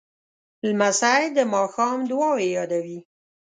لمسی د ماښام دعاوې یادوي.